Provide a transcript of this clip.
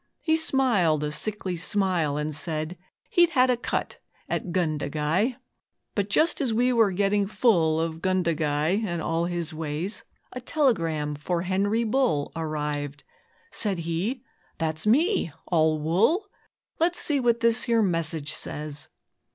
He smiled a sickly smile, and said He'd 'had a cut at "Gundagai"!' But just as we were getting full Of 'Gundagai' and all his ways, A telegram for 'Henry Bull' Arrived. Said he, 'That's me all wool! Let's see what this here message says.'